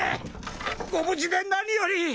ご無事で何より！